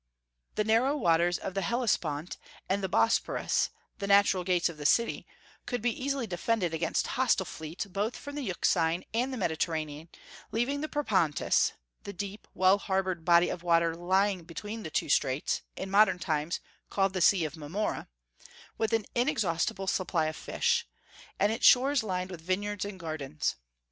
The narrow waters of the Hellespont and the Bosporus, the natural gates of the city, could be easily defended against hostile fleets both from the Euxine and the Mediterranean, leaving the Propontis (the deep, well harbored body of water lying between the two straits, in modern times called the Sea of Marmora) with an inexhaustible supply of fish, and its shores lined with vineyards and gardens.